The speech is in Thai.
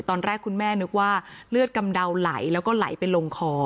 ตอนแรกคุณแม่นึกว่าเลือดกำเดาไหลแล้วก็ไหลไปลงคอ